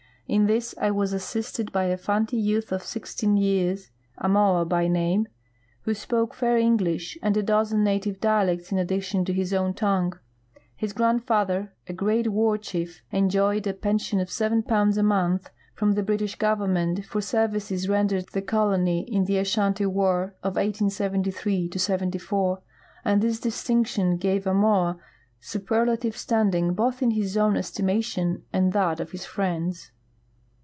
In this I was assisted by a Fanti 3'outh of sixteen years, Amoah l\v name, who sj)oke fair English and a dozen native dialects in addition to his own tongue. His grandfather, a great war chief, enjoyed a pen sion of seven pounds a month from the British government for services rendered the colony in the Ashanti war of 1873 74, and this distinction gave Amoah superlative standing both in his own estimation and that of his friends.